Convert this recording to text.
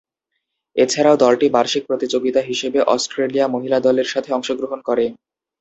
এছাড়াও দলটি বার্ষিক প্রতিযোগিতা হিসেবে অস্ট্রেলিয়া মহিলা দলের সাথে অংশগ্রহণ করে।